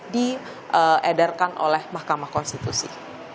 diedarkan oleh mahkamah konstitusi